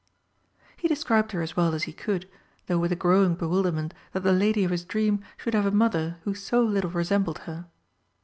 He described her as well as he could, though with a growing bewilderment that the lady of his dream should have a Mother who so little resembled her.